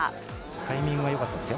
タイミングはよかったですよ。